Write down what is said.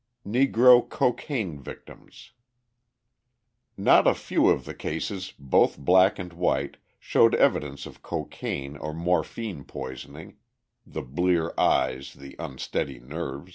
Negro Cocaine Victims Not a few of the cases both black and white showed evidences of cocaine or morphine poisoning the blear eyes, the unsteady nerves.